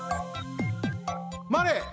「まれ」！